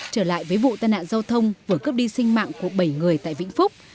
trở lại với vụ tai nạn giao thông vừa cướp đi sinh mạng của bảy người tại vĩnh phúc